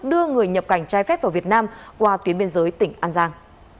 đưa người nhập cảnh trái phép vào việt nam qua tuyến biên giới tỉnh an giang